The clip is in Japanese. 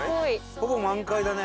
ほぼ満開だね。